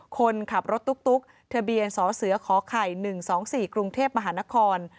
คนขับรถตุ๊กทะเบียนสเสขอไข่๑๒๔กรุงเทพมหานคร